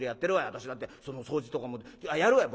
私だってその掃除とかもやるわよ